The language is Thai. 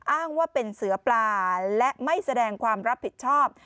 อ้างว่าเป็นเสือปลาและไม่แสดงความรับผิดชอบ